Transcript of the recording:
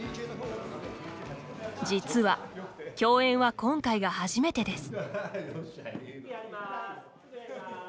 実は共演は今回が初めてです。